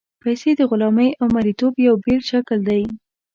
پیسې د غلامۍ او مرییتوب یو بېل شکل دی.